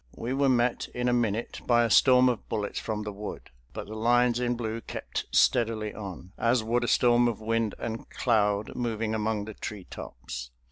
We were met in a minute by a storm of bullets from the wood, but the lines in blue kept steadily on, as would a storm of wind and cloud moving among the tree tops.